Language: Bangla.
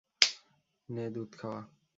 নে, দুধ খাওয়া।